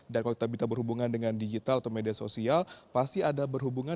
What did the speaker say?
dan kalau kita berhubungan dengan digital atau media sosial pasti ada berhubungan